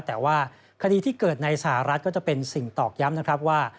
แต่ว่าคดีที่เกิดในสหรัฐก็จะเป็นสิ่งตอกย้ำนะครับว่า